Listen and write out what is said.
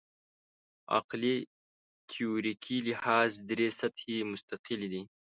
عقلي تیوریکي لحاظ درې سطحې مستقلې دي.